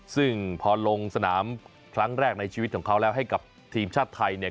ซึ่งพอลงสนามครั้งแรกในชีวิตของเขาแล้วให้กับทีมชาติไทยเนี่ย